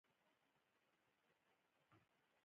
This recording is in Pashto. تاریخ به خپل فیصله وکړي.